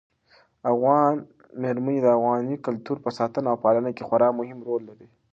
افغان مېرمنې د افغاني کلتور په ساتنه او پالنه کې خورا مهم رول لوبوي.